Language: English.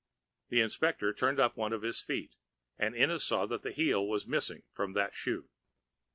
The inspector turned up one of his feet and Ennis saw that the heel was missing from that shoe.